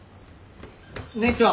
姉ちゃん。